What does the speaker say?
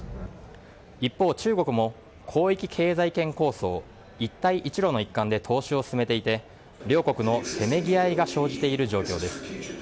一方、中国も広域経済圏構想一帯一路の一環で投資を進めていて両国のせめぎ合いが生じている状況です。